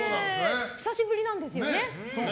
久しぶりなんですよね。